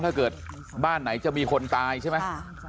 ถ้าเกิดบ้านไหนจะมีคนตายใช่ไหม